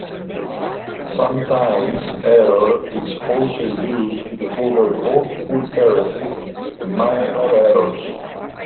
Sometimes error is also used to cover both full heresies and minor errors.